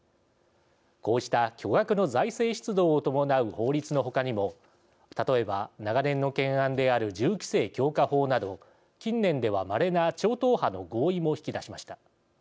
こうした巨額の財政出動を伴う法律の他にも例えば、長年の懸案である銃規制強化法など近年ではまれな超党派の合意を引き出しました。